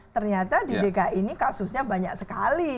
ternyata di dki ini kasusnya banyak sekali